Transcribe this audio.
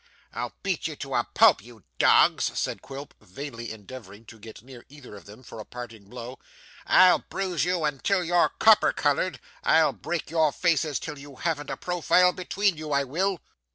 'I'll beat you to a pulp, you dogs,' said Quilp, vainly endeavoring to get near either of them for a parting blow. 'I'll bruise you until you're copper coloured, I'll break your faces till you haven't a profile between you, I will.